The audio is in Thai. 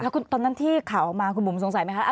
แล้วตอนนั้นที่ข่าวออกมาคุณบุ๋มสงสัยไหมคะ